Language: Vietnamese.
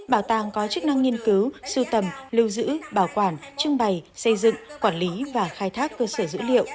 bảo tàng có chức năng nghiên cứu sưu tầm lưu giữ bảo quản trưng bày xây dựng quản lý và khai thác cơ sở dữ liệu